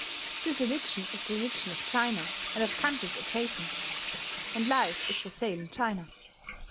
This religion is the religion of China, and of countries adjacent; and life is for sale in China.